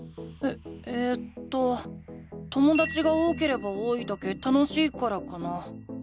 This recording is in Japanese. ええとともだちが多ければ多いだけ楽しいからかな。